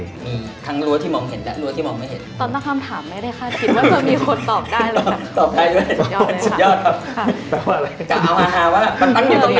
อืมทั้งรั้วที่มองเห็นและรั้วที่มองไม่เห็น